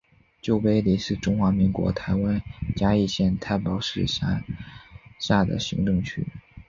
旧埤里是中华民国台湾嘉义县太保市辖下的行政区。